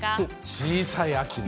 小さい秋ね。